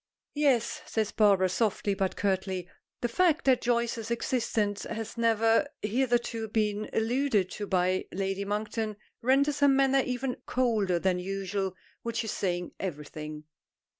"Yes," says Barbara, softly but curtly. The fact that Joyce's existence has never hitherto been alluded to by Lady Monkton renders her manner even colder than usual, which is saying everything.